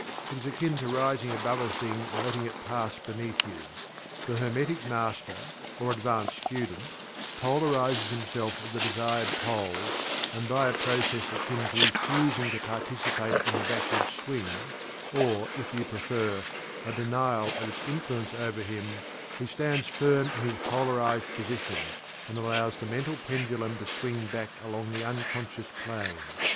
It is akin to rising above a thing and letting it pass beneath you. The Hermetic Master, or advanced student, polarizes himself at the desired pole, and by a process akin to "refusing" to participate in the backward swing or, if you prefer, a "denial" of its influence over him, he stands firm in his polarized position, and allows the mental pendulum to swing back along the unconscious plane.